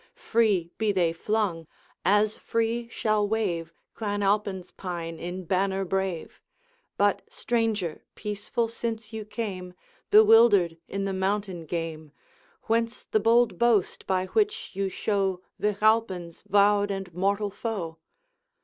Free be they flung! as free shall wave Clan Alpine's pine in banner brave. But, stranger, peaceful since you came, Bewildered in the mountain game, Whence the bold boast by which you show Vich Alpine's vowed and mortal foe?'